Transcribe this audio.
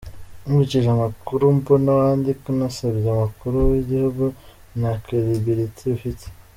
Nkurikije amakuru mbona wandika unasebya umukuru w’igihugu, nta credibility ufite!